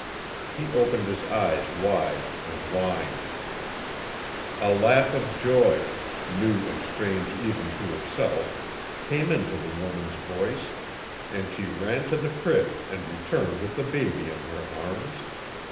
He opened his eyes wide and whined. A laugh of joy new and strange even to herself came into the woman's voice, and she ran to the crib and returned with the baby in her arms.